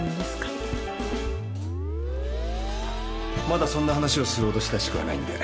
まだそんな話をするほど親しくはないんで。